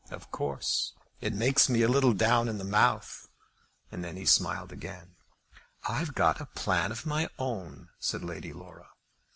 Of course it makes me a little down in the mouth." And then he smiled again. "I've got a plan of my own," said Lady Laura.